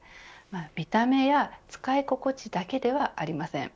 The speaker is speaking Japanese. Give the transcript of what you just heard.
見た目や使い心地だけではありません。